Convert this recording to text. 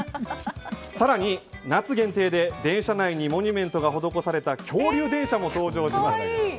更に夏限定で電車内にモニュメントが施された恐竜電車も登場します。